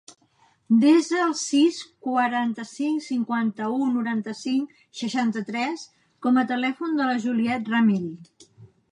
Desa el sis, quaranta-cinc, cinquanta-u, noranta-cinc, seixanta-tres com a telèfon de la Juliette Ramil.